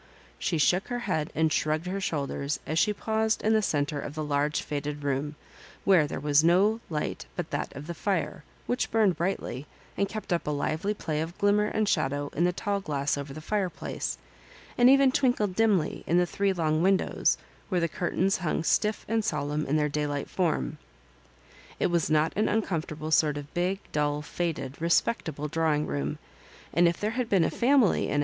She shook her head and shrugged her shoulders as she paused in the centre of the large faded room, where there was no light but that of the fire, which burned brightly, and kept up a lively play of glimmer and shadow in the tall glass over the fireplace, and even twinkled dimly in the three long windows, where the curtains hung stiff and solemn in their daylight form. It was not an uncomfortable sort of big, dull, faded, respectable drawing room, and if there had been a family in Digitized by VjOOQIC 12 MISS MABJOBIBANEB.